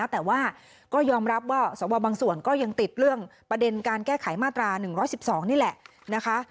แต่ว่าก็ยอมรับว่าสวบางส่วนก็ยังติดเรื่องประเด็นการแก้ไขมาตรา๑๑๒นี่แหละนะคะ